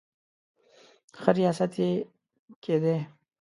ښه ریاست یې کېدی.